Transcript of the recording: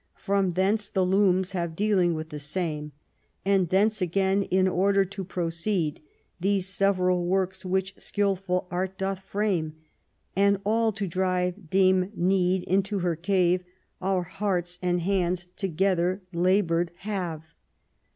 From thence the looms have dealing with the same, And thence again, in order to proceed, These several works which skilful art doth frame ; And all to drive dame Need into her cave Our hearts and hands together laboured have.